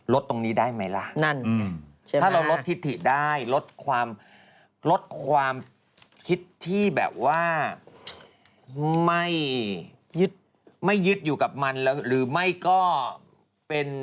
ลดตรงนี้ได้ไหมล่ะถ้าเราลดพิธิได้ลดความคิดที่แบบว่าไม่ยึดอยู่กับมันหรือไม่ก็เป็น